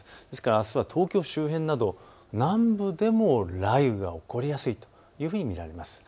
あすは東京周辺など南部でも雷雨が起こりやすいというふうに見られます。